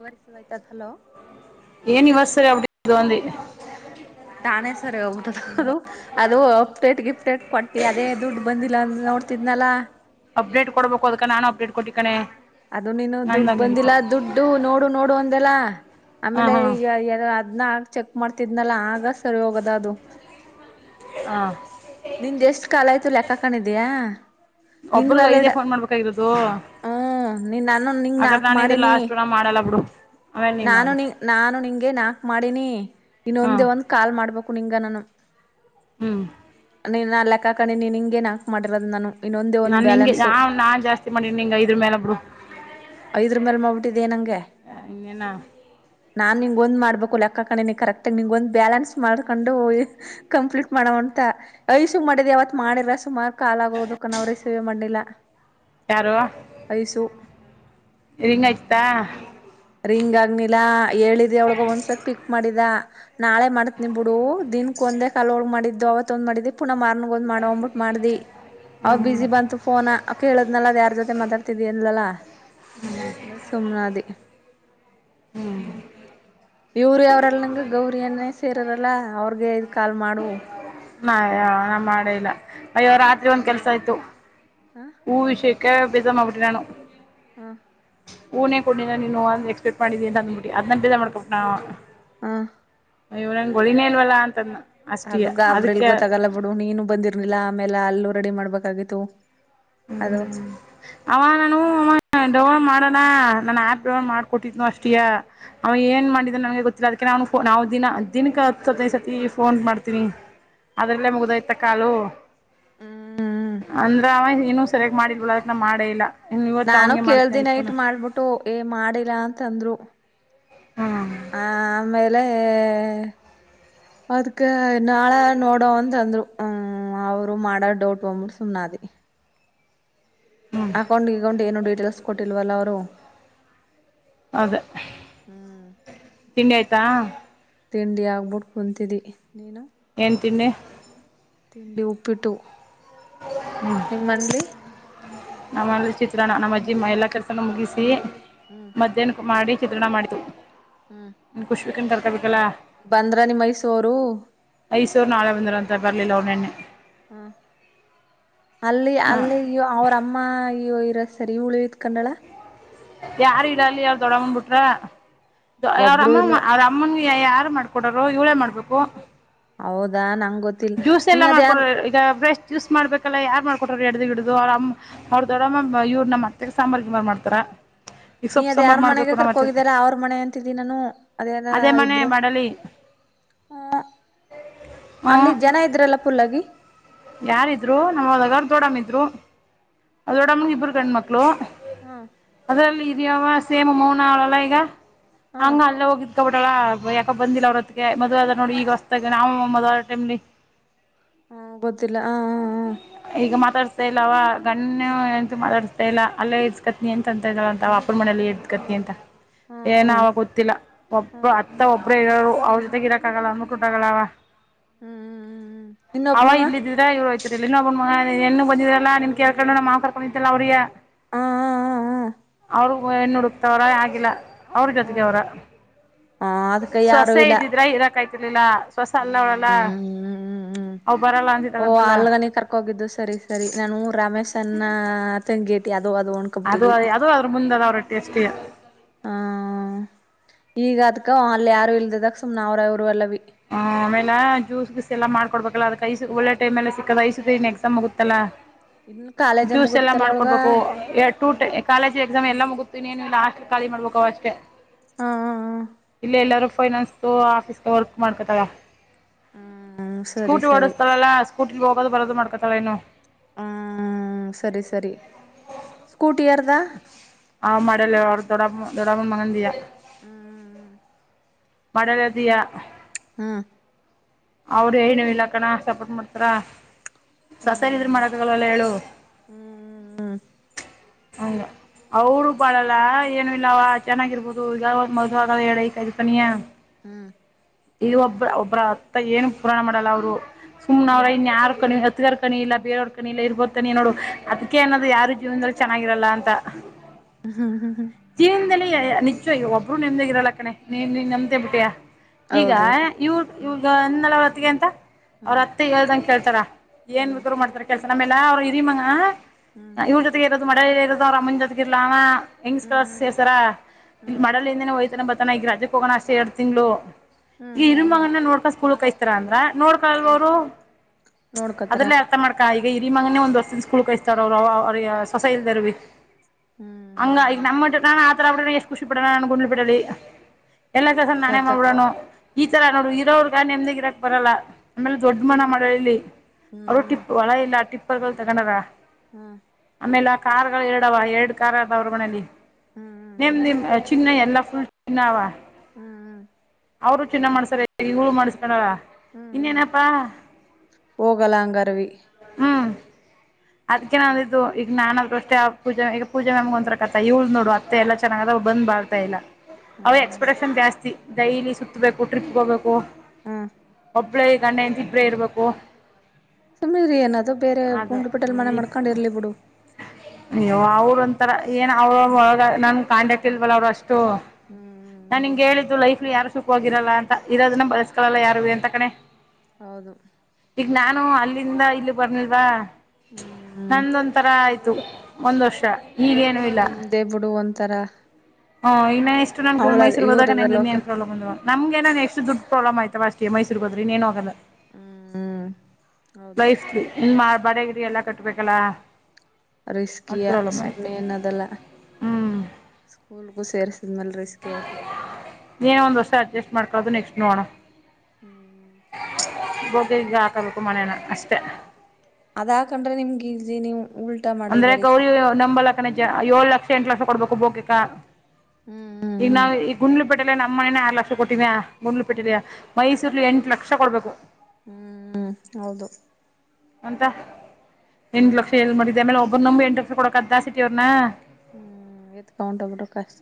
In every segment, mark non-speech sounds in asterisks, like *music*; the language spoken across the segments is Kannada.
*unintelligible* ಹಲೋ ಏನ್ ಇವತ್ ಸರಿ ಅಪ್ಡೇಟ್ ಇದು ಅಂದಿ ತಾನೇಶ್ವರ್ ಅವ್ *unintelligible* ಅದು ಅಪ್ಡೇಟ್ ಗಿಫ್ಡೇಟ್ ಕೊಟ್ಟಿ ಅದೇ ದುಡ್ಡು ಬಂದಿಲ್ಲ ಅಂದ್ ನೋಡ್ತಿದ್ನಲ್ಲ. ಅಪ್ಡೇಟ್ ಕೊಡ್ಬೇಕು ಅದ್ಕ ನಾನು ಅಪ್ಡೇಟ್ ಕೊಟ್ಟಿ ಕಣೆ. ಅದು ನೀನು ದುಡ್ ನಂದಾಗ ಮುಗಿತು ಬಂದಿಲ್ಲ ದುಡ್ಡು ನೋಡು ನೋಡು ಅಂದೆಲ್ಲ ಹಾ ಆಮೇಲೆ ಹಾ ಈಗ ಅದ್ನ ಚೆಕ್ ಮಾಡ್ತಿದ್ನಲ್ಲ ಆಗ ಸರಿ ಹೋಗೋದ್ ಅದು. ಹಾ ನಿಂದ ಎಷ್ಟ್ ಕಾಲ್ ಆಯ್ತು ಲೆಕ್ಕಾ ಹಾಕಂಡಿದೀಯಾ? ಒಬ್ರಗ ಐದೇ ಫೋನ್ ಮಾಡ್ಬೇಕಾಗಿರೋದು ಹ್ಮ ನೀ ನಾನು ನಿಂಗ ಹಾಗಾರ್ ನಾಕ್ ನಾನಿದ್ ಮಾಡಿನಿ ಲಾಸ್ಟು ನಾ ಮಾಡಲ್ಲ ಬಿಡು. ಆಮೇಲೆ ನೀ ನಾನು ಮಾಡು ನಿ ನಾನು ನಿಂಗೆ ನಾಕ್ ಮಾಡಿನಿ ಹಾ ಇನ್ನೊಂದೆ ಒಂದ್ ಕಾಲ್ ಮಾಡ್ಬೇಕು ನಿಂಗ ನಾನು. ಹ್ಮ್ ನೀನು ಅ ಲೆಕ್ಕಾಕಂಡೀನಿ ನೀನು ಹಿಂಗೆ ನಾಕ್ ಮಾಡಿರದ್ ನಾನು. ಇನ್ನೊಂದೇ ಒಂದ್ ನಾನ್ ನಿಂಗೆ ಬ್ಯಾಲೆನ್ಸು ನಾನ್ ನಾನ್ ಜಾಸ್ತಿ ಮಾಡೀನ್ ನಿಂಗೇ ಐದ್ರು ಮ್ಯಾಲ ಬಿಡು. ಐದ್ರ ಮೇಲ್ ಮಾಡ್ಬಿಟ್ಟಿದಿಯಾ ನಂಗೆ ಇನ್ನೇನ ನಾನ್ ನಿಂಗೊಂದ್ ಮಾಡ್ಬೇಕು. ಕ ಕಣೆ ಕರೆಕ್ಟ್ ಆಗ ನಿಂಗ ಒಂದ ಬ್ಯಾಲೆನ್ಸ್ ಮಾಡ್ಕೊಂಡು ಕಂಪ್ಲೀಟ್ ಮಾಡವಂತ ಐಶು ಗ್ ಮಾಡಿದ ಯಾವತ್ ಮಾಡಿಲ್ಲ ಸುಮಾರ್ ಕಾಲಾಗೋದಕ್ಕ ನ ಅವ್ರ್ ರಿಸೀವೆ ಮಾಡಿಲ್ಲ. ಯಾರು ಐಸು. ರಿಂಗ್ ಆಯ್ತಾ? ರಿಂಗ್ ಆಗ್ನಿಲ್ಲಾ ಹೇಳಿದ್ *unintelligible* ಅವ್ಳ್ಗ್ ಒಂದ್ಸತ್ ಪಿಕ್ ಮಾಡಿಲ್ಲ. ನಾಳೆ ಮಾಡತ್ನಿ ಬಿಡೂ ದಿನಕ್ ಒಂದೇ ಕಾಲ್ ಅವ್ಳ್ಗ್ ಮಾಡಿದ್ದು ಅವತ್ ಒಂದ್ ಮಾಡಿದ್ದೆ ಪುನಃ ಮಾರ್ನ್ಗ್ ಒಂದ್ ಮಾಡವ ಅಂದ್ಬಿಟ್ ಮಾಡ್ದಿ ಅವಾಗ್ ಹ್ಮ್ ಬ್ಯುಸಿ ಹ್ಮ್ ಬಂತು ಫೋನ ಕೇಳದ್ನಲ್ಲ ಅದ್ ಯಾರ್ ಜೊತೆ ಮಾತಾಡ್ತಿದಿ ಅಂದ್ಳಲ್ಲ ಹ್ಮು ಸುಮ್ನಾದಿ. ಹ್ಮ್ ಇವ್ರ್ ಯಾವ್ರ್ ಯಳ್ದಂಗ ಗೌರಿ ಅನ್ನೇ ಸೇರಿರಲ್ಲ ಅವ್ರ್ಗೇ ಇದ್ ಕಾಲ್ ಮಾಡು. ನಾ ನಾ ಮಾಡೇ ಇಲ್ಲ ಅಯ್ಯೋ ರಾತ್ರಿ ಒಂದ್ ಕೆಲ್ಸ ಆಯ್ತು ಹಾ ವಿಷಯ ಕೆ ಬೇಜಾರ್ ಮಾಡುಬಿಟಿ ನಾನು ಹ್ಮ ಹೂನೆ ಕೊಡಲಿಲ್ಲ ನೀನು ಅ ಎಕ್ಸ್ಪೆಕ್ಟ್ ಮಾಡಿದಿ ಅಂತ ಅಂದ್ಬಿಟ್ಟಿ ಅದ್ ಬೇಜಾರ್ ಮಾಡ್ಕೊಂಡ್ ಬಿಟ್ಟ ಹಾ ಇವ್ನಂಗ್ ಹೊಳಿನೇ ಇಲ್ವಲ್ಲಾ ಅಂತದ್ ಅದು ಗಾಬ್ರಿಲ್ ಗೊತ್ತಾಗಲ್ಲ ಬಿಡು ನೀನು ಬಂದಿರ್ಲಿಲ್ಲ ಆಮೇಲೆ ಅಲ್ಲು ರೆಡಿ ಮಾಡ್ಬೇಕಾಗಿತ್ತು ಅದು ಹ್ಮ್ ಅವ ನಾನು ಅವ ಡೋ ಮಾಡ ನಾನನ್ ಆಪ್ ಮಾಡ್ಕೊಟ್ಟಿದ್ನ ಅಷ್ಟಿಯ ಅವ ಏನ್ ಮಾಡಿದ ನನ್ಗೆ ಗೊತ್ತಿಲ್ಲ ಅದಕ ನ ಫೋನ್ ನ ದಿನ ದಿನಕ್ಕೆ ಹತ್ತು ಹದಿನೈದು ಸತಿ ಫೋನ್ ಮಾಡ್ತೀನಿ ಅದ್ರಲ್ಲೇ ಮುಗ್ದಾಯ್ತ ಕಾಲು ಹ್ಮ್ ಅಂದ್ರು ಆವ ನೀನು ಸೆರೆಕ್ಟ್ ಮಾಡಿಲ್ವಲ್ಲ ಅದಕ್ಕೇ ಮಾಡೇ ಇಲ್ಲ ಇನ್ನು ಇವತ್ತು ನಾನು ಅವನಿಗೆ ಮಾಡ್ತೀನಿ ಕೇೇಳ್ದಿನ ಐಫೋನ್ ನೈಟ್ ಮಾಡ್ಬಿಟ್ಟು ಏ ಮಾಡಿಲ್ಲಾ ಅಂತಂದ್ರು ಹಾ ಆ ಆಮೇಲೆ ಅದ್ಕ್ ನಾಳ ನೋಡೋಂದಂದ್ರು ಹ್ಮ ಅವ್ರು ಮಾಡ ಡೌಟು ಸುಮ್ನಾದಿ ಹ್ಮ್ ಅಕೌಂಟ್ ಗಿಕೌಂಟ್ ಏನು ಡೀಟೇಲ್ಸ್ ಕೊಟ್ಟಿಲ್ವಲ್ಲ ಅವರು ಅದ ಹ್ಮ್ ತಿಂಡಿ ಆಯ್ತಾ ತಿಂಡಿ ಆಗ್ಬಿಟ್ಟು ಕುಂತಿದ್ದಿ ನೀನು ಏನ್ ತಿಂಡಿ ತಿಂಡಿ ಈಪ್ಪಿಟ್ಟು ಹ್ಮ್ ನಮ್ಮಲ್ಲಿ ಚಿತ್ರಾನ್ನ ನಮ್ಮಜ್ಜೀ ಎಲ್ಲ ಕರ್ಕೊಂಡು ಮುಗಿಸಿ ಹ್ಮ್ ಮಧ್ಯಾನಕ್ ಮಾಡಿ ಚಿತ್ರಾನ್ನ ಮಾಡಿದೆ ಹ್ಮ್ ವಂತರ್ತ *unintelligible* ಬಂದ್ರ ನೀ ಮೈಸೂರು ಐಸೂರು ನಾಳೆ ಬಂದರ ಅಂತ ಬರ್ಲಿಲೋನಿ ಹ್ಮ ಅಲ್ಲಿ ಹ ಅಲ್ಲಿ ಅವ್ರಮ್ಮ ಇರ ಸರಿ ಉಳತ್ ಕಂಡಳ ಯಾರ್ ಇಡಲ್ಲಿ ಯಾವ ದೊಡ ಬಂದ್ ಬಿಟ್ರ ಒಬ್ರು ಇಲ್ಲ ರಾಮಣ ರಾಮನ್ ಯಾರು ಮಾಡ್ಕೊಡೋರು ಇವಳೇ ಮಾಡ್ಬೇಕು ಹೌದಾ ನಂಗ ಗೊತ್ತಿಲ್ಲ ಜ್ಯೂಸ್ ನೀ ಎಲ್ಲ ಅದ ಯಾರ್ ಮಾಡ್ಕೊೊಂಡ ಈಗ ಬ್ರಸ್ಟ್ ಜ್ಯೂಸ್ ಮಾಡ್ಬೇಕಲ್ಲ ಯಾರ್ ಮಾಡ್ಕೊಟಾರ ಹಡು ಹಿಡುರ ಅಮ್ಮ ಅವ್ರ ದೊಡ್ಡಮ್ಮ ಇವ್ರ ನಮ್ಮ ಮತ್ತೆ ಸಾಂಬಾರ್ ಗಂಬಾರ್ ಮಾಡ್ತಾರ ಈಗ ನೀ ಸೊಪ್ಪು ಅದ ಸಾಂಬಾರ್ ಯಾರ್ ಮನೆಗೆ ಮಾಡ್ಬೇಕು ನಮ್ಮ ಕರ್ಕ ಅತ್ತೆ ಹೋಗಿದ್ದೀರ ಅವ್ರ ಮನೆ ಅಂತಿದ್ದೀ ನಾನು ಅದೆಲ್ಲ ಅದೇ ಮನೆ ಇದ್ರ ಮಾಡಲಿ ಹ ಹ್ಮ ಅಲ್ಲಿ ಜನ ಇದ್ರಲ್ಲ ಪುಲ್ಲಗಿ ಯಾರಿದ್ರು ನಮ್ಮ್ ಒದಗಾರ್ ದೊಡಮ್ಮ ಇದ್ರು ಡಮ ಇಬ್ರು ಕಣ್ಣ್ಮಕ್ಕಳು ಹಾ ಅದ್ರಲ್ಲಿ ಇದ್ಯಾವ ಸೇಮ ಮೌನ ಅವಳಲ್ಲ ಈಗ ಹಾ ಹಂಗ ಅಲ್ಲ ಹೋಗಿದ್ಕ ಯಾಕ ಬಂದಿಲ್ಲ ಅವ್ರತ್ಗೆ ಮದ ಆದದ ನೋಡಿ ಈಗ ಹೊಸತಾಗ ನ ಮದ್ ಟೈಮ್ಲ್ಲಿ ಹಾ ಗೊತ್ತಿಲ್ಲ ಹ ಈಗ ಮಾತಾಡ್ತಾ ಇಲ್ಲವಾ ಗಣ್ಣು ಎಂತು ಮಾತಾಡ್ತ ಎಲ್ಲ ಅಲ್ಲ ಎಕತನಿ ಎಂತ ಅಂತ ಇದ ಅ ವಾಪರ್ ಮನೇಲಿ ಎಕತನಿ ಅಂತ ಹ ಹ ಏನಾವಾಗ ಗೊತ್ತಿಲ್ಲ ಹ ಒಬ್ಬ ಅತ್ತ ಒಬ್ಬ ಅ ಅವ್ರ ಜೊತೆ ಇರಕ್ಕಾಗಲ್ಲ ಅಂದಟುಟಾಗಲ್ಲ ಅವ ಹ್ಮ್ ಇನ್ನೊಬ್ಬ ಅವ ಮಗ ಇಲ್ಲ ಇದೀರಾ ಇವರು ಇ ಇ ಬಣನ್ನುೂ ಕೊಂದಲ್ಲ ನಿಮ ಕ ನ್ ಆಫರ್ ಕೊೊಂಡಿದ್ದನಲ್ಲ ಅವ್ರಿಗೆ ಹ ಹ ಹ ಹೆಣ್ಣ ಹುಡುಕ್ತವ್ರ ಆಗಿಲ್ಲ ಅವ್ರ ಜೊತೆಗೆ ಹ ಅವ್ರ ಹ ಅದಕ್ಕೆ ಯಾರು ಸೊಸೆ ಇಲ್ಲ ಇದ್ದಿದ್ರ ಇರಕಾಯ್ತು ಇಲಿಲ್ಲ ಹೊವಸ ಅಲ್ಲ ಅವಳಲ್ಲ ಹ್ಮ್ ಅವ ಬರಲ್ಲ ಅನ್ಸಿತಗಂತಲ್ಲ ಹ ಹೋಗಿದ್ದು ಸರಿ ಸರಿ ನಾನ ರಮೇಶ್ ಅನ್ನ ಗೇಟಿ ಅದು ಅದು ಅದ್ರ ಮುಂದೆ ಅವ್ರ ಎಷ್ಟೇ ಹ್ಮ ಈಗ ಅದ್ಕ ಅಲ್ಲಿ ಯಾರು ಇಲ್ದದಕ್ ಸುಮ್ನೆ ಅವ್ರ ಅವರು ಎಲ್ಲ ಕೊಡ್ಬೇಕಲ್ಲ ಅದ್ಸು ಒೆ ಟೈಮ ಎಲ್ಲ ಸಿಕ್ಕದ ಐಸುದ ನ್ ಎಕ್ಸಾಮ್ ಹೋಗುತ್ತಲ್ಲಾ ಇನ್ನು ಕಾಲೇಜ ಜ್ಯೂಸ್ ಎಲ್ಲ ಮುಗುತ್ತಲ್ಲ ಅವಳಗ ಮಾಡ್ಕೊಡ್ಬೇಕು ಟೂಟ ಹ್ಮ್ ಕಾಳಜಿ ಎಲ್ಲ ಮುಗುತ್ತತೀ ನೀ ಲಸ್ಟ್ ಖಾಲಿ ಮಾಡ್ಬೇಕು ಅವ ಅಷ್ಟೇ ಹ ಇಲ್ಲ ಎಲ್ಲಾರು ಫೈನಾನ್ಸ್ ಆಫೀ್ ವರ್ಕ್ ಮಾಡ್ಕೊತಾಗ ಹ್ಮ್ ಸರಿ ಸ್ಕೂಟಿ ಸರಿ ಓಡಿಸ್ತಳಲ್ಲಾ ಸ್ಕೂಟಿಗ್ ಹೋಗೋದು ಬರೋದು ಮಾಡ್ಕ ಚಲನ ಹ್ಮ ಸರಿ ಸರಿ ಸ್ಕೂಟಿ ಯಾರ್ದ ಹ ಮಾಡಲ್ಲ ಅವ್ರ ದೊಡ್ಡಮ್ ದೊಡ್ಡಮನ್ ಮಗಂದೆಯಾ ಹ್ಮ್ ಮಾಡಳ್ದಿಯಾ ಹ್ಮ ಅವ್ರ ಏನು ಇಲ್ಲ ಕಣ ಸಪೋರ್ಟ್ ಮಾಡ್ತಾರ ಸಸಾರ ಇದ್ರ ಹ್ಮ್ ಮಾಡಕಾಗಲ್ವಲ್ಲ ಹೇಳು ಹ್ಮ್ ಹ್ಮ್ ಹೌನು ಅವ್ರು ಬಾಳಲ್ಲ ಏನು ಇಲ್ಲವ ಚೆನ್ನಾಗಿರ್ಬೋದು ಈಗ ಮದುವಾಗ ಎಡ್ ಹೈಕಳನಿಯ ಹ್ಮ್ ಈ ಒಬ್ಬ್ರ ಒಬ್ಬ್ರ ಅತ್ತ ಏನ್ ಪುರಾಣ ಮಾಡಲ್ಲ ಅವ್ರು ಸುಮ್ನ್ ಅವ್ರ ಹ್ಮ್ ಇನ್ ಯಾರ್ ಕಣ್ಣಿಗದ್ ತ್ಗಾರ್ ಕಣಿ ಇಲ್ಲ ಬೇವ ಕಣಿಲ್ಲ ಇರ್ಬೋತ ತನಿ ನೋಡು ಅದಕ್ಕೆ ಅನ್ದ ಯಾರು ಜೀವ್ನದಲ್ಲಿ ಚೆನ್ನಾಗ್ ಆಗಿರಲ್ಲ ಅಂತ ಹ್ಮ ಹ್ಮ್ ಹ್ಮ್ ಹಾ ಜೀವನದಲ್ಲಿ ನಿಜ ಒಬ್ಬರು ನಮ್ದೆ ಇರಲಕಣೆ ನೀ ನೀನ್ ನಮ್ದೆ ಬಿಟಿಯಾ ಈಗ ಹೌದು ಇವು ಇವಗ್ ನಲವತ್ ತಿಗೆಂತ ಅವ್ರ ಹ್ಮ್ ಅತ್ತೆ ಹೇಳ್ದಂ ಕೇಳ್ತಾರಾ ಏನ್ ಹ್ಮ್ ಬೇಕಾರೂ ಮಾಡ್ತಾರೆ ಕೆಲ್ಸ್ ನಮ್ ಎಲ್ಲಾ ಅವ್ರ್ ಹಿರಿ ಮಗ ಹ್ಮ್ ಅ ಇವ್ರ ಜೊತೆಗೆ ಇ ಮಡ ಇದ ಅವ್ರ್ ಅಮ್ಮನ್ ಜೋಗೀರ್ಲರ್ ಅವ ಹೆಂಗ್ ಸ್ಕರ್ ಹ್ಮ್ ಸೇರ್ಸರ ಹ್ಮ್ ಮಡಲಿಂದೇನೆ ಹೋಯ್ತನ ಬ ತನ್ನ ಈಗ ರಜೆ ಹೋಗೋಣ ಅಷ್ಟ ಎಡು ತಿಂಗ್ಳು ಹ್ಮ್ ಈಗ ಇರು ಹ್ಮ್ ಮಗನ ನೋಡ್ಕಾ ಸ್ಕೂಲ್ಕೈಸ್ತಿ ತ್ರನ್ದ್ರ ನೋಡ್ಕಲ್ವ ಅವ್ರು ನೋಡ್ಕೋತಾರ ಅದ್ರಲ್ಲ ಅರ್ಥ ಮಾಡ್ಕಾ ಈ ಹಿರಿ ಮನೆ ಒಂದ ವರ್ಷದ ಸ್ಕೂಲ್ ಕಸ್ತ ಅವ್ರ ಅವ ಹೊಸ ಇಲ್ದೇರುವಿ ಹಂಗ ಈಗ್ ಹ್ಮ್ ನಮ್ಮಟ್ಟಿ ನಾನ್ ಬಿತ್ರ ಎಷ್ಟ ಖುಷಿ ಪಡಣ ನಾನು ಗುಂಡ್ ಬಿಡಿ ಎಲ್ಲ ದಸ ನಾನೆ ಕಥಾ ಮಾಡ್ ಬಿಡಾನು ಈ ತರ ನೋಡ ಇರೋರಗ್ ನೆಮ್ದಾಗ ಇರಕ್ ಬರಲ್ಲ ಆಮೇಲೆ ದೊಡ್ಡ ಮನ ಮಾಡ ಇಲ್ಲಿ ಅವ ಹ್ಮ್ ಟಿಪ್ಪ ಅಳ ಇಲ್ಲ ಟಿಪ್ ಬಲ್ಗುಲ್ ತಗಣರ ಹ್ಮ ಮನೇಲೆ ಕಾರ್ ಗಳು ಎರಡವ ಎರಡ್ ಕಾರ್ ಅದ ಅವ್ರ ಮನಲ್ಲಿ ಹ್ಮ್ ನಿಮ್ ಹ್ಮ್ ನಿಮ್ ಚಿ ಫ ಚಿನಾವ ಹ್ಮ್ ಹ್ಮ್ ಅವರು ಚಿನ್ನ ಮಾಡ್ಸಾರೆ ಮಾಡ್ಸಖಂಡಲ ಇನ್ನನಪ್ಪಾ ಹೋಗಲಾಂಗರವಿ ಹ್ಮ್ ಅದ್ಕೆ ನನ್ ಇದು ನಾನಾದ್ರ ಅಷ್ಟೇ ಆ ಪೂಜೆ ಈಗ ಪೂಜೆ ಮಮ ಒಂಂತರ ಕತ್ತಾ ಇವಳ್ ನೋಡು ಅತ್ತೆ ಎಲ್ಲ ಚೆನ್ನಾಗ ಅದ್ ಬಂದ ಬಾಳ್ತಾ ಇಲ್ಲ ಅವ ಹ್ಮ್ ಎಕ್ಸ್ಪ್ರೆಷನ್ ಜಾಸ್ತಿ ಡೈಲಿ ಸುತ್ತಬೇಕು ಟ್ರಿಪ್ಗೆ ಹೋಗ್ಬೇಕು ಹ್ಮ ಇಬ್ಬಳ ಈಗಣ್ಣ ಎಬ್ಳೇ ಇರ್ಬೇಕು ಸುಮ್ಮಿ್ರೀ ಏನದೋ ಬೇರೆ ಗುಂಡ ಹಪಿಟಲ್ ಮನೆ ಮಾಡ್ಕೊಂಡ ಇರ್ಲಿ ಬಿಡು ಅಯ್ಯೋ ಅವ್ರ ಒಂತರ ಏನ್ ಅವ್ರ ಒಳಗ ನಂಗ್ ಕಾಂಟಾಕ್ಟ್ ಇಲ್ವಲ್ಲ ಅವ್ರ ಅಷ್ಟು ನಾ ಹ್ಮ್ ಹಂಗ ಹೇಳಿದ್ದು ಲೈಫ್ಲಿ ಯಾರು ಸುಖವಾಗಿರಲ್ಲ ಅಂತ ಇರೋದನ್ನ ಬಳಸ್ಕೊಲ್ಲ ಯಾರು ಎಂತ ಕಣೆ ಹೌದು ಈಗ ನಾನು ಅಲ್ಲಿಂದ ಇಲ್ಲಿ ಬರ್ನಿಲ್ವಾ ಹ್ಮ್ ನಂದೊಂದ ತರ ಆಯ್ತು ಒಂದ್ ವರ್ಷ ಈಗೇನು ನಿಮ್ದೇ ಬಿುಡು ಒಂತ ತರ ಹ್ ಇನ್ನ ಎಷ್ಟು ನು ಮೈಸೂರು ಹೋದಾಗ ನಂ ಲೋಕ ಇನ್ನೇನ್ ಪ್ರಾಬ್ಲಮ್ ಅ ನಮಗೆಏ ಎಷ್ಟು ಡ್ ಪ್ರಾಬ್ಲಮ್ ಆಯತು ತಾಟ ಮೈೂರು ಹದರಿ ಇನೇನು ಹೋಗಲ್ಲ ಹ್ಮ್ ಹೌದು ಬೈಸ್ಲಿ ಇನ್ ಮಾಡ್ಬಡ ಎಲ್ಲಾ ಕಟ್ಬೇಕಲ್ಲಾ ರಿಸಕಿಯ ಸನ್ನೆಯನಾದಲ ಹ್ಮ್ ಸ್ಕೂಲ್ ಕುು ಸೇರ್ ನಲ್ಲ ರರಿಸ್ಕಿ ಔಟ್ನಿ ಮಾಡ್ಕದು ನೆಕ್ಸ್ಟ್ ನೋಣನ *inaudible* ಬಗ್ಗ ಹಿಂಗ ಹಾಕಬೇಕು ಮನೇನ ಅಷ್ಟೆ ಅದಾಕಂಡ್ರೆ ನಿಮ್ಗೆ ಇಲ್ಲಿ ನೀವು ಉಲ್ಟಾ ಅಂದ್ರೆ ಮಾಡಿದಾರೆ ಈ ಗೌರಿ ಸತಿ ನಂಬಲಕನ ಏಳ ಪಕ್ಷ ಎಂಟ್ ಕ್ಲಾಸ ಕೊಡ್ಬೇಕು ಬೋಗಿಕಾ ಹ್ಮ್ ಈಗ ಹ್ಮ್ ನಾವು ಈ ಗುಂಡ್ಲುಪೇಟೆಲ್ಲ ನಮ್ಮ್ ಮನ ಕಲಾಷ್ಟ ಕೊಟ್ಟೀನ್ಯಾಾ ಹ್ಮ್ ಮುರುಳ್ಳಪಟ್ಟಲೆಯ ಹ್ಮ್ ಮೈಸೂರುಲ್ಲಿ ಎಂಟು ಲಕ್ಷ ಕಕ್ಷ ಕೊಡ್ಬೇಕು ಹ್ಮ್ ಹೌದು ಅಂತ ಎಂಟು ಲಕ್ಷ ಎಲ್ ಮಾಡಗಿದ ಆಮೇಲೆ ಒಬ್ಬನೊಂಬ ಎಂಟು ಲಕ್ಷ ಕೊಡಕ ಅದ ದಾಸಟಿ ಅವ್ರನ್ನ ಹ್ಮ್ ಎತ್ ಕೌಂಟ ಬಿಟ ಕಷ್ಟ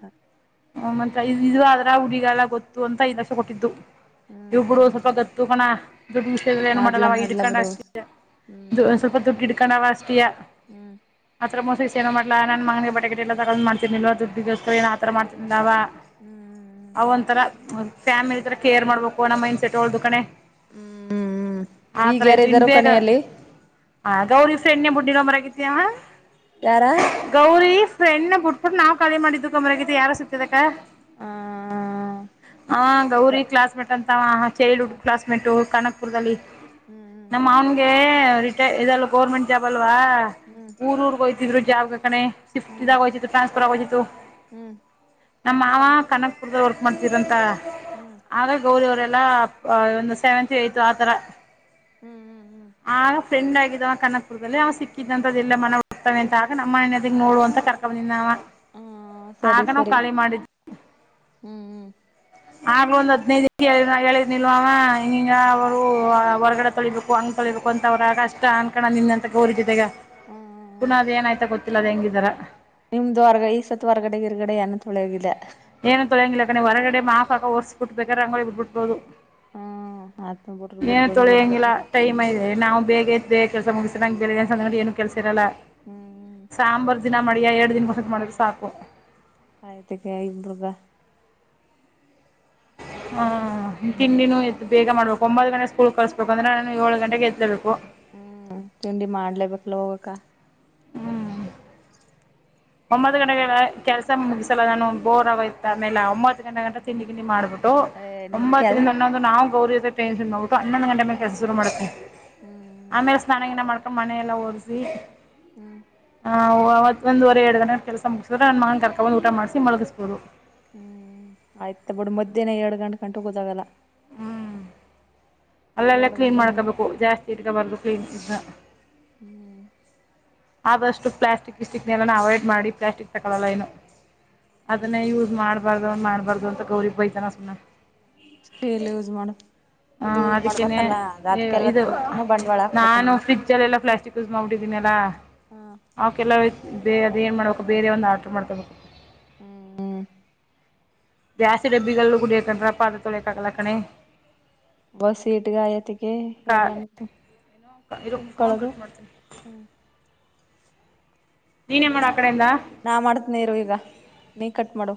ಹ್ಮ ಮತ್ತ ಇದು ಆದದ್ರ ಹುಡಿಗಲ್ಲ ಗೊತ್ತು ಅಂತ ಇದಸ ಕೊಟ್ಟಿದ್ದು ಇವುರು ಹ್ಮ್ ಸ್ವಲ್ಪ ಗತ್ತು ಕಣ ದುಡ್ಡು ವಿಷಯದಲ್ಲಿ ಏನು ಮಾಡ್ಲಾ ಮಾಡಲ್ಲವ. ಮಾಡ್ಲಾ ಬಿಡು ಹ್ಮ್ ಸ್ವಲ್ಪ ದುಡ್ಡು ಹಿಡ್ಕೊಂಡವ ಅಷ್ಟ ಅ ಇದೆಯ ಹ್ಮ್ *inaudible* *unintelligible* ಮೋಸ ಏೋ ನನ್ ಮಂಗ ಬಟೆಟ್ ಎಲ್ಲ ತಗೊಂಡ್ತನ ದುಡ್ೋಸ್ ಹಿತ್ರರ ಮಾಡ್ತಿಂದಾವ ಹ್ಮ್ ಅವ ಒಂಥರ ಫ್ಯಾಮಿಲಿ ತರ ಕೇರ್ ಮಾಡಬೇಕು ನಮ್ಮ ಮೈ್ಂಡ ಸೆಟ್ೋ್ದು ಕಣೆ ಹ್ಮ್ ಹ್ಮ್ ಈಗ ಆತ್ರ ಯಾರ ಇದು ಇದ್ದಾರೋ ಇನ್ಪೇರೆ ಕಣಿಯಲ್ಲಿ ಆ ಗೌರಿ ಸೆಣ್ಣ ಬುಟ್ಟರ ಕೆ *inaudible* *unintelligible* ಯಾರ ಗೌರಿ ‌ಯಣ್ಣ ಬಿಟ್ಬಿಟ್ಟ ನಾವು ಕಾಲಿ ಮಾಡಿದು ಕಮರ ಯಾರು ಸಿುತ್ತತದಕ್ಕ ಆ ಹ ಅದ ಗೌರಿ ಕ್ಲಾಸ್ಮೇಟ್ ಅಂತ ಚೈಲ್ಡ್ಹುಡ್ ಕ್ಲಾಸ್ ಮೇಟ್ ಕನಕ್ಪುರದಲ್ಲಿ ಹ್ಮ್ ನಮ್ಮ ಹ್ಮ್ ಅವನ್ಗೆ ಹೆಂ ಇದಲ್ಲ ಗೌರ್ಮೆಂಟ್ ಜಾಬ್ ಅಲ್ವಾ ವಾಹ್ ಹ್ಮ್ ಹ್ಮ್ ಊರ ಊರುಗೆ ಹೋಯಿತು ಇಬ್ರೂ ಜಾವಾಗ ಹ್ಮ್ ಶಫ್ಟಾಗ್ರಾ ಪ್ರವಜಿತು ಹ್ಮ್ ನಮ್ಮ್ ಮಾವ ಕನಕ್ಪುರದ ವರ್ಕ್ ಮಾಡ್ತರಂತ ಹ್ಮ್ ಹಾಗ ಗೌರಿವರೆಲ್ಲ ಎಲ್ಲಾ ಒ ಸೆವೆಂತ್ ಏತು ಆಥರ ಹ್ಮ್ ಹ್ಮ್ ಹ್ಮ್ ಆ ಫ್ರೆಂಡ್ ಆಗಿದವ ಕಕಪುರದಲ್ಲಿಲ್ಲಿ ಅವ ಸಿಕ್ಕಿದಂತದ್ದದೆಲ್ಲ ಮನ ಹುತವ ಅಂತ ಆ ನಮ್ಮ ಮನೆ ನೋಡುವಂತ ಕರ್ಕೊಂಡ ಬಂದಿದನವ ಹ್ಮ ಸರಿ ಸರಿ ಹ್ಮ್ ಆಗ್ ಒಂದ ಹದಿನೈದು ದ ಹೇಳಿದ್ ನಿಲ್ವ ಅಂವಾ ಹಿಂಗೀಗ ಅವರು ಹೊರ್ಗಡೆ ತೊಳಿಬೇಕು ಹಂಗ್ ತೊಳಿಬೇಕು ಅಂತ ಅವ್ರ ಅಷ್ಟ ಅನ್ಕಣ ನಿಂದ ಅಂತ ಗೋ್ರ ಜತೆ ಈಗ ಹ್ಮ್ ಹ್ಮ್ ಪುನಃಾದ್ ಏನಾಯ್ತಾ ಗೊತ್ತ ಎಲ್ಲರೂ ಹೆಂಗಿದಾರ ನಿಮ್ದು ಹೊರ್ಗಡೆ ಈ ಸತ್ತು ಹೊರ್ಗಡೆಿರ್ಗಡೆ ಏನೊಳಿೋಗಿದೆ ಏನು ತೊಳಂಗಿಲ್ಲಾಕ ಹೊರಗಡೆ ಮಾಪಾಕ ಹೊರ್ಸಸ್ ಕೊಟ್ಬೇಕಾದ್ರ ರಂಗೋಳ ಬಿಡ್ಬ ಬಿಡ್ಬೋದು ಹ್ಮ್ ಆತ್ಮ ಬಿಡ್ರಿ ಏನ್ ಬಿಡ್ಬೋದು ತೊಳಿಂಗಿಲ್ಲ ಬಿಡ್ಬೋದ್ಲ ಟೈಮ್ಐದೆ ನಾವು ಬೇಗ ಬೇಗ ಕೆಲಸ ಮುಗಿಸಿ ನ ಏನು ಕೆಲ ರಲ್ಲ ಸಾಂಬಾರ್ ದಿನ ಮಾಡ ಎರಡು ದಿನಕ್ಕಸತ್ ಮಾಡಿದ್ರೆ ಸಾಕು ಆಯ್ತಕ್ಕೆ ಇಬರ್ಗ ಹಾ ಹ್ಮ ತಿಂಡಿನ ಎತ್ ಬೇಗ ಮಾಡಬೇಕ ಒಂಬತ್ತು ಗಟೆ ಸ್ಕಲ್ ಕಳಸ್ಬೇಕುಂದ್ರೆ ನು ಏಳು ಗಂಟೆದಳ್ಬೇಕು ಹ್ಮ್ ತಿಂಡಿ ಮಾಡ್ಲೇಬೇಕಲ್ಲ ಹೋಗಕ್ಕ ಹ್ಞೂ ಒಂಬತ್ತು ಗಂಟೆ ಕೆಲ್ಸ ಮುಗಸಲ್ಲ ನಾನು ಬೋರ್ ಆಗೋಯ್ತ್ ಆಮೇಲೆ ಒಂಬತ್ತು ಗಂಗಂಟ ತಿಂಡಿ ತಿಂಡಿ ಮಾಡ್ಬೇಕು ಏ ನಿನ್ ಕೆಲ್ ಒಂಬತ್ತರಿಂದೊಂದು ನಾವು ಗೌರಿ ವುಟ್ಟು ಹನ್ನೊಂದು ಗಂಟ ಮೇ ಕೆಲಸ ಶರು ಮಾಡುತ್ತೆ ಹ್ಮ್ ಆಮೇಲೆ ಸ್ನಾನಗಿನ ಮಾಡ್ಕ ಮನೆಯ ಎಲ್ಲ ಒರ್ಸಿ ಹ್ಮ್ ಹಾ ಅವೊ *inaudible* ಎರಡು ದನ ಕೆಲಸ ಮುಗಿಸಿದ್ರ ನನ್ನ ಮನ ಕರ್ಕೊಂಡಂದು ಊಟ ಮಾಡಿಸಿ ಮುಗಿಸಬಹುದು ಹ್ಮ್ ಆಯ್ತ ಬಿಡ್ ಮಧ್ಯಾಹ್ನ ಎರಡ್ ಗಂಟ ಗಂಟು ಗೊತ್ತಾಗಲ್ಲ ಹ್ಮ್ ಅಲ್ಲೆಲ್ಲ ಎರಡು ಕ್ಲೀನ್ ಗಂಟೆ ಮಾಡ್ಕೋಬೇಕು ಜಾಸ್ತಿ ಇಟ್ಕೊ ಬರ್ಬೇಕು ಜ *unintelligible* ಹ್ಮ್ ಆದಷ್ಟು ಪ್ಲಾಸ್ಟಿಕ್ ಪಿಸ್ಟಿಕ್ ನಲ್ಲಾನ ಅವಾಯ್ಡ್ ಮಾಡಿ ಪ್ಲಾಸ್ಟಿಕ್ ತಕೊಳ್ಳಲ್ಲ ನು ಅದನ್ನೇ ಯೂಸ್ ಮಾಡ್ಬಾರ್ದನ್ ಮಾಡ್ಬಾರ್ದ ಅಂತ ಗೌರಿಗ್ ಬೈತಾನ ಸುಮ್ಮನೆ ಸ್ಟೀಲ್ ಉಜ್ ಮಾಡಡ ಇದು ಇದು ಅದಕ್ಕೇನೆ ಮಾಡ್ಬೇಕಲ್ಲ ಅದ ಇದು ಅದ್ಕ್ಕೆಲ್ಲದ್ದು ಪುನಃ ಬಂಡವಾಳ ಹಾಕ್ಬೇಕು ನೀವು ಪ್ಲಾಸ್ಕ್ಸ್ ಮಾಡ್ಬಟ್ಟಿದ್ದೀನಲ್ಲ ಅವ ಕೆಲ್ಲಯ ಬೇ ಅದೇನು ಮಾಡ್ಬೇಕು ಬೇರೆ ಒಂದು ಆರ್ರು ಮಾಡ್ಕೊಬೇಕು ಹ್ಮ್ ಹ್ಮ್ ದ್ಯಾಸಿ ಡಬ್ಬಗಳ ಕುಡಿಯಕೊಂಡ್ರ ಪಾದ ತೊಲೆಕಾಗಲ ಕಣೆ ಬಸ ಇಟ್ಗಾಯತಿಗೆ ಎಲ್ಲಂತು ಇರೋ ಫೋನ್ ಕಟ್ ಮಾಡ್ತೀನಿ ನೀನೇ ಮಾಡ ನಾ ಮಾಡತ್ ನೀರು ಈಗ ನೀ ಕಟ್ ಮಾಡು